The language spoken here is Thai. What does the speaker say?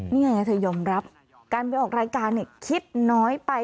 นี่ไงเธอยอมรับการไปออกรายการคิดน้อยไป